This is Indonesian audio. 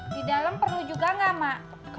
di dalam perlu juga nggak mak